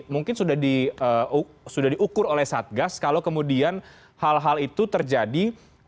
mungkin sudah diukur oleh satgas kalau kemudian hal hal itu terjadi